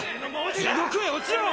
・地獄へ落ちろ！